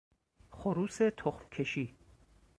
خروس تخمکشی